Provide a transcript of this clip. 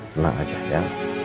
tenang aja ya